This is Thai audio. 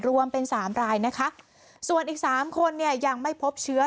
รวมเป็น๓รายนะคะส่วนอีก๓คนยังไม่พบเชื้อ